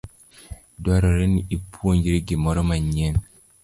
Dwarore ni ipuonjri gimoro manyien.